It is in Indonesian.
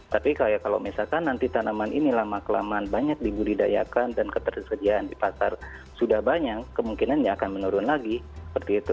tapi kalau misalkan nanti tanaman ini lama kelamaan banyak dibudidayakan dan ketersediaan di pasar sudah banyak kemungkinannya akan menurun lagi seperti itu